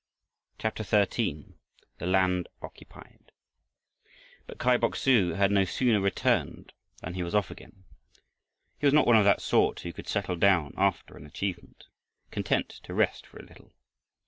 CHAPTER XIII. THE LAND OCCUPIED But Kai Bok su had no sooner returned than he was off again. He was not one of that sort who could settle down after an achievement, content to rest for a little.